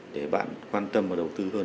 để bạn quan tâm và đầu tư hơn